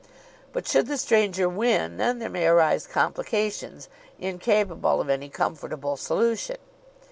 But should the stranger win, then there may arise complications incapable of any comfortable solution.